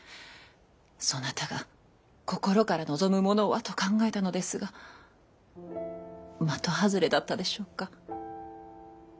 そなたが心から望むものはと考えたのですが的外れだったでしょうか？